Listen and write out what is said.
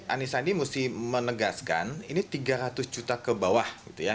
anis andi mesti menegaskan ini tiga ratus juta ke bawah